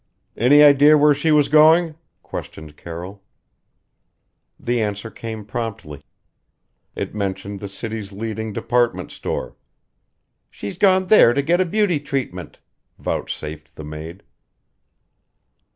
"Any idea where she was going?" questioned Carroll. The answer came promptly: it mentioned the city's leading department store "she's gone there to get a beauty treatment," vouchsafed the maid.